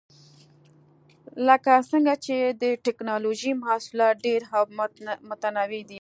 لکه څنګه چې د ټېکنالوجۍ محصولات ډېر او متنوع دي.